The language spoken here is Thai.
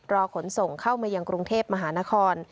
ขนส่งเข้ามายังกรุงเทพมหานคร